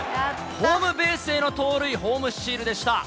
ホームベースへの盗塁、ホームスチールでした。